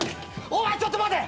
おいちょっと待て！